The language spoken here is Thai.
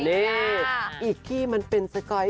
นี่อีกที่มันเป็นสก๊อย